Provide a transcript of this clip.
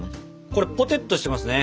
これぽてっとしてますね。